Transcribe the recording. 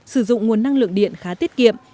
sử dụng nguồn năng lượng điện khá tiết kiệm